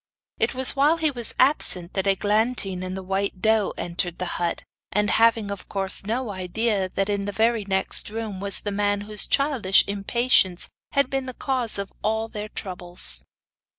It was while he was absent that Eglantine and the white doe entered the hut, and having, of course, no idea that in the very next room was the man whose childish impatience had been the cause of all their troubles.